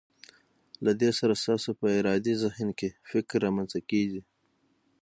له دې سره ستاسو په ارادي ذهن کې فکر رامنځته کیږي.